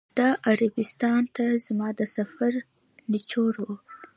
دا عربستان ته زما د سفر نچوړ و.